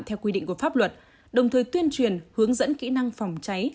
theo quy định của pháp luật đồng thời tuyên truyền hướng dẫn kỹ năng phòng cháy